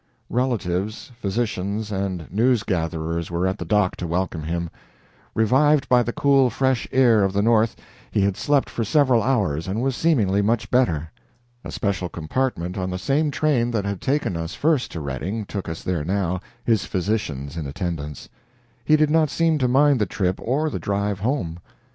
Relatives, physicians, and news gatherers were at the dock to welcome him. Revived by the cool, fresh air of the North, he had slept for several hours and was seemingly much better. A special compartment on the same train that had taken us first to Redding took us there now, his physicians in attendance. He did not seem to mind the trip or the drive home.